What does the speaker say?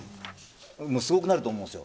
すごくなると思うんですよ。